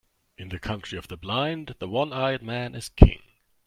In the country of the blind, the one-eyed man is king.